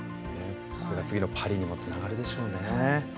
次のパリにもつながるでしょうね。